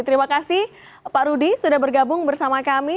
terima kasih pak rudi sudah bergabung bersama kami